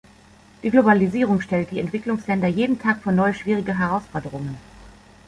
Die Globalisierung stellt die Entwicklungsländer jeden Tag vor neue, schwierige Herausforderungen.